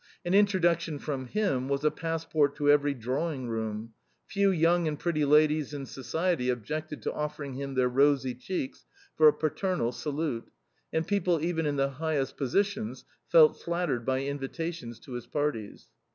An introduction from him was a passport to every drawing room; few young and pretty ladies in society objected to offering him their rosy cheeks for a paternal salute; and people even in the highest positions felt flattered by invitations to his parties.